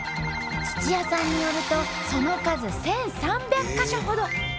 土谷さんによるとその数１，３００か所ほど。